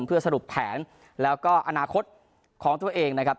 เพื่อสรุปแผนแล้วก็อนาคตของตัวเองนะครับ